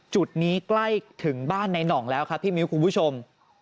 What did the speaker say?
จุดนี้ใกล้ถึงบ้านในหน่องแล้วครับพี่มิ้วคุณผู้ชม